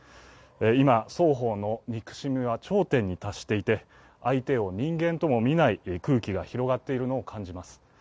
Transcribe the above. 今、双方の憎しみは頂点に達していて相手を人間ともみない空気が広がっているのを感じます。